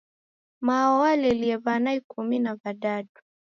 Mao walelie w'ana ikumi na w'adadu.